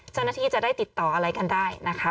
เจ้าหน้าที่จะได้ติดต่ออะไรกันได้นะคะ